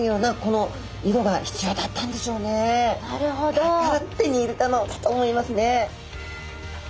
だから手に入れたのだと思いますね。